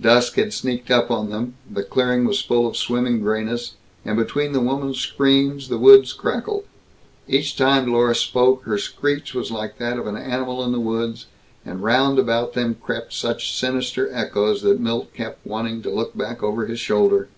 Dusk had sneaked up on them; the clearing was full of swimming grayness, and between the woman's screams, the woods crackled. Each time Dlorus spoke, her screech was like that of an animal in the woods, and round about them crept such sinister echoes that Milt kept wanting to look back over his shoulder.